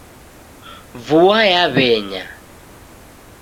Vua yaw'enya